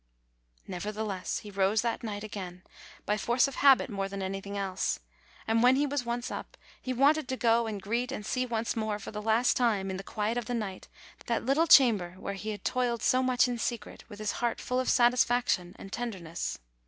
Nevertheless he rose that night again, by force of 78 DECEMBER habit more than anything else ; and when he was once up, he wanted to go and greet and see once more, for the last time, in the quiet of the night, that little chamber where he had toiled so much in secret with his heart full of satisfaction and tenderness.